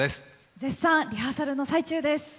絶賛リハーサルの最中です。